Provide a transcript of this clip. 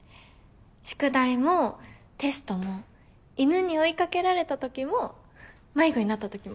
宿題もテストも犬に追いかけられたときも迷子になったときも。